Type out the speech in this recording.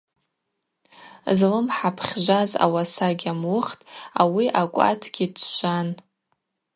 Злымхӏа пхьжваз ауаса гьамуыхтӏ, ауи акӏватгьи тжван.